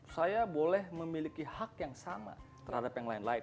saya boleh memiliki hak yang sama terhadap yang lain lain